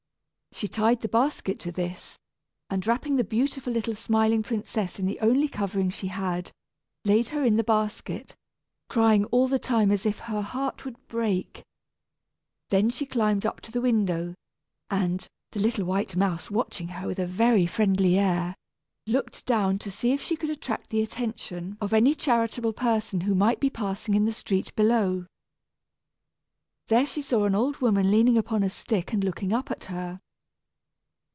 She tied the basket to this, and wrapping the beautiful little smiling princess in the only covering she had, laid her in the basket, crying all the time as if her heart would break. Then she climbed up to the window, and (the little white mouse watching her with a very friendly air) looked down to see if she could attract the attention of any charitable person who might be passing in the street below. There she saw an old woman leaning upon a stick and looking up at her.